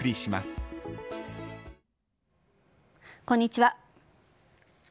こんにちは。